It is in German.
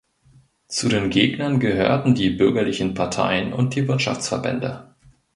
Zu den Gegnern gehörten die bürgerlichen Parteien und die Wirtschaftsverbände.